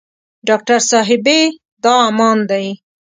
ډاکټر صاحبې دا عمان دی.